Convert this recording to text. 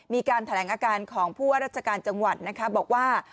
มีการแถลงอาการของผู้ว่าราชการจังหวัดนะคะบอกว่า